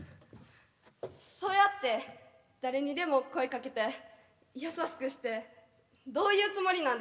そうやって誰にでも声かけて優しくしてどういうつもりなんですか？